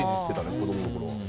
子供のころは。